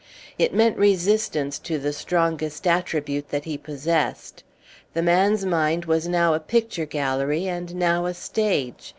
It meant resistance to the strongest attribute that he possessed. The man's mind was now a picture gallery and now a stage.